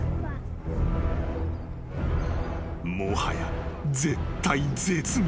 ［もはや絶体絶命］